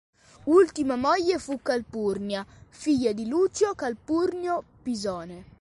Ultima moglie fu Calpurnia, figlia di Lucio Calpurnio Pisone.